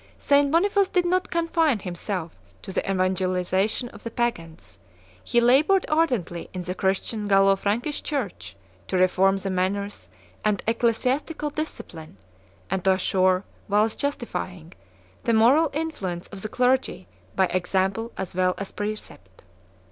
St. Boniface did not confine himself to the evangelization of the pagans; he labored ardently in the Christian Gallo Frankish Church, to reform the manners and ecclesiastical discipline, and to assure, whilst justifying, the moral influence of the clergy by example as well as precept.